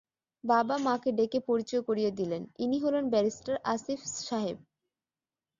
বাবা মাকে ডেকে পরিচয় করিয়ে দিলেন, ইনি হলেন ব্যারিস্টার আসিফ সাহেব।